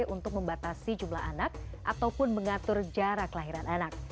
untuk membatasi jumlah anak ataupun mengatur jarak lahiran anak